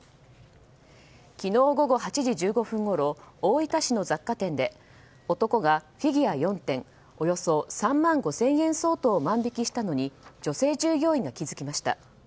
昨日午後８時１５分ごろ大分市の雑貨店で男がフィギュア４点およそ３万５０００円相当を万引きしたのに女性従業員が気付きました。